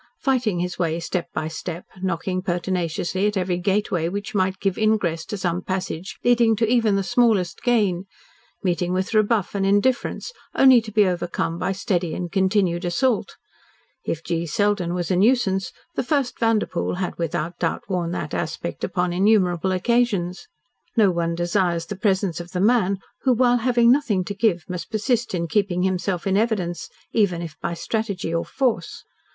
Fighting his way step by step, knocking pertinaciously at every gateway which might give ingress to some passage leading to even the smallest gain, meeting with rebuff and indifference only to be overcome by steady and continued assault if G. Selden was a nuisance, the first Vanderpoel had without doubt worn that aspect upon innumerable occasions. No one desires the presence of the man who while having nothing to give must persist in keeping himself in evidence, even if by strategy or force.